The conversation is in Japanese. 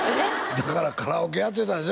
だからカラオケやってたんでしょ？